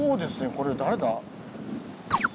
これ誰だ？